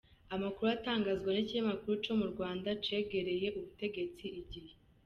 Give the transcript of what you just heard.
Amakuru atangazwa n'ikinyamakuru co mu Rwanda cegereye ubutegetsi, igihe.